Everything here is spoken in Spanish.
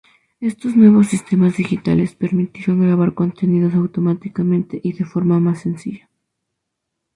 Estos nuevos sistemas digitales permitieron grabar contenidos automáticamente y de forma más sencilla.